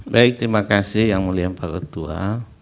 baik terima kasih yang mulia pak ketua